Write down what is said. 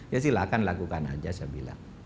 ya silahkan lakukan aja saya bilang